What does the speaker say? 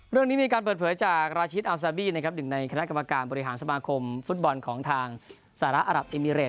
เรื่องนี้มีการเปิดเผยจากราชิตอัลซาบี้นะครับหนึ่งในคณะกรรมการบริหารสมาคมฟุตบอลของทางสหรัฐอรับเอมิเรต